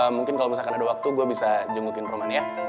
mungkin kalau misalkan ada waktu gue bisa jengukin romania